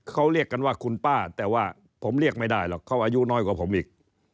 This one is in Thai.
เขาเรียกกันว่าคุณป้าแต่ว่าผมเรียกไม่ได้หรอกเขาอายุน้อยกว่าผมอีก